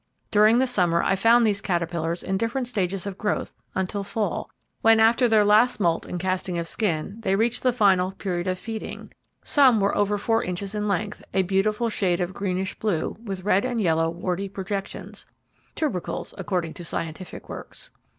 During the summer I found these caterpillars, in different stages of growth, until fall, when after their last moult and casting of skin, they reached the final period of feeding; some were over four inches in length, a beautiful shade of greenish blue, with red and yellow warty projections tubercles, according to scientific works.